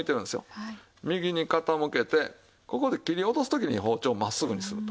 右に傾けてここで切り落とす時に包丁を真っすぐにすると。